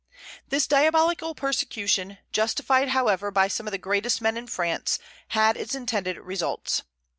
This diabolical persecution, justified however by some of the greatest men in France, had its intended results.